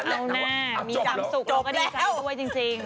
เอาแน่มีความสุขเราก็ดีใจด้วยจริง